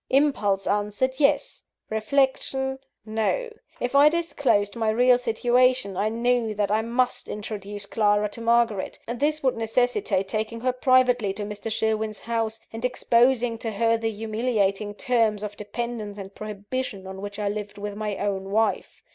Impulse answered, yes reflection, no. If I disclosed my real situation, I knew that I must introduce Clara to Margaret. This would necessitate taking her privately to Mr. Sherwin's house, and exposing to her the humiliating terms of dependence and prohibition on which I lived with my own wife.